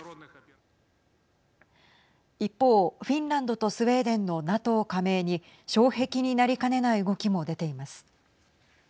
一方、フィンランドとスウェーデンのＮＡＴＯ加盟に障壁になりかねない動きも出ています。